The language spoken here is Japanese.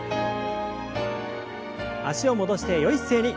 脚を戻してよい姿勢に。